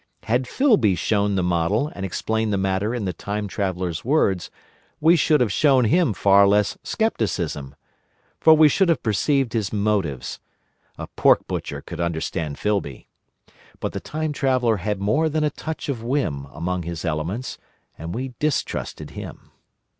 Had Filby shown the model and explained the matter in the Time Traveller's words, we should have shown him far less scepticism. For we should have perceived his motives: a pork butcher could understand Filby. But the Time Traveller had more than a touch of whim among his elements, and we distrusted him.